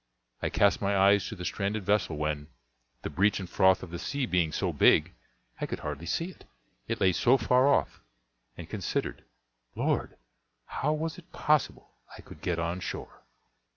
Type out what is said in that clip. I cast my eyes to the stranded vessel when, the breach and froth of the sea being so big, I could hardly see it, it lay so far off; and considered, Lord! how was it possible I could get on shore?